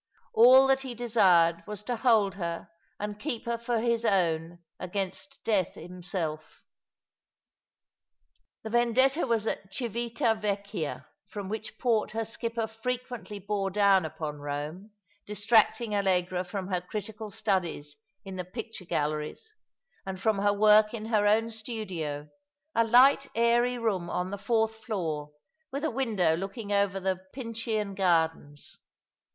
All that he desired was to hold her] and keep her for his own against Death himself. The Vendetta was at Civita Yecchia, from which port her skipper frequently bore down upon Eome, distracting Allegra from her critical studies in the picture galleries, and from her work in her own studio, a light, airy room on the fourth floor, with a window looking over the Pincian Gardens.